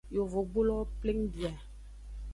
Yovogbulowo pleng bia.